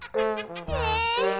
え。